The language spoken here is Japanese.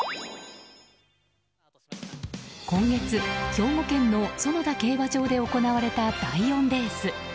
今月、兵庫県の園田競馬場で行われた第４レース。